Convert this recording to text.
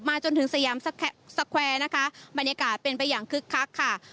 จนถึงสยามสแควร์นะคะบรรยากาศเป็นไปอย่างคึกคักค่ะ